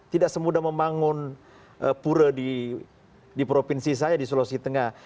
tidak semudah membangun pura di provinsi saya di sulawesi tengah